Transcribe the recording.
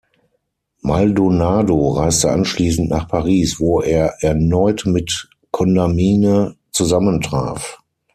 Maldonado reiste anschließend nach Paris, wo er erneut mit Condamine zusammentraf.